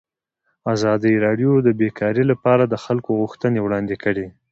ازادي راډیو د بیکاري لپاره د خلکو غوښتنې وړاندې کړي.